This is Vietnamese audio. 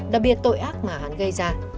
đặc biệt tội ác mà hắn gây ra